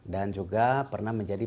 dan juga pernah menjadi